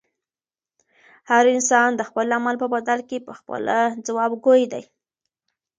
هر انسان د خپل عمل په بدل کې پخپله ځوابګوی دی.